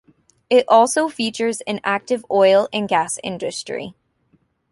It also features an active oil and gas industry.